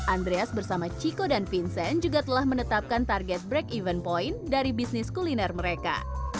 andreas bersama chico dan vincent juga telah menetapkan target break even point dari bisnis kuliner mereka